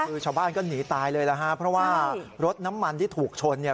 คือชาวบ้านก็หนีตายเลยนะฮะเพราะว่ารถน้ำมันที่ถูกชนเนี่ย